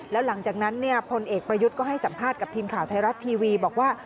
แล้วหลังจากนั้นพลเอกประยุทธ์ก็ให้สัมภาษณ์กับทีมข่าวไทยรัฐทีวีบอกว่า